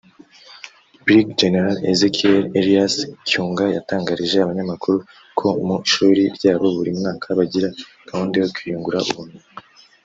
Brig General Ezekiel Elias Kyunga yatangarije abanyamakuru ko mu ishuri ryabo buri mwaka bagira gahunda yo kwiyungura ubumenyi